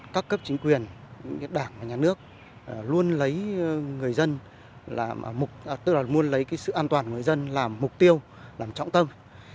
các cấp chính quyền đảng và nhà nước luôn lấy sự an toàn của người dân làm mục tiêu làm trọng tâm